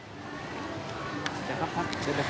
สวัสดีครับครับ